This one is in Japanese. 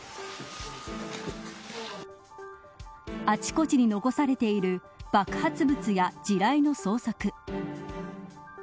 あちこちに残されている爆発物や地雷の捜索。